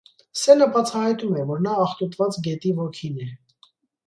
Սենը բացահայտում է, որ նա աղտոտված գետի ոգին է։